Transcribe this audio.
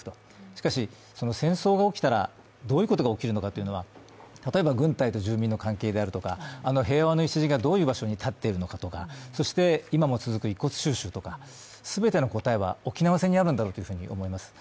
しかし、戦争が起きたらどういうことが起きるかというのは、軍隊と住民の関係とか平和の礎がどういう場所にあるのかとかそして今も続く遺骨収集とか、全ての答えは沖縄戦にあるのだろうと思います。